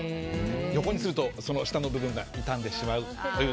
横にすると下の部分が傷んでしまう。